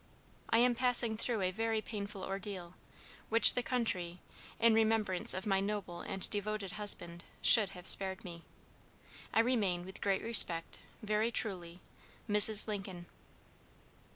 "I am passing through a very painful ordeal, which the country, in remembrance of my noble and devoted husband, should have spared me. "I remain, with great respect, very truly, "MRS. LINCOLN.